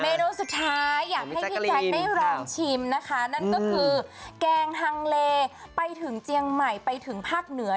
โนสุดท้ายอยากให้พี่แจ๊คได้ลองชิมนะคะนั่นก็คือแกงฮังเลไปถึงเจียงใหม่ไปถึงภาคเหนือ